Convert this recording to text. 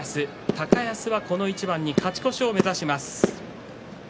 高安はこの一番に勝ち越しを目指します。